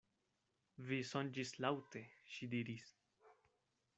Vi sonĝis laŭte, ŝi diris.